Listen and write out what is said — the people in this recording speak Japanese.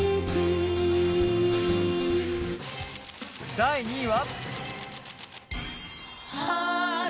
第２位は。